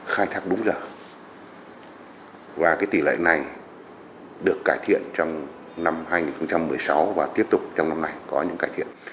khai thác đúng giờ và cái tỷ lệ này được cải thiện trong năm hai nghìn một mươi sáu và tiếp tục trong năm này có những cải thiện